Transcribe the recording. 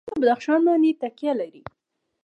افغانستان په بدخشان باندې تکیه لري.